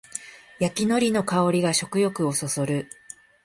焼きのりの香りが食欲をそそる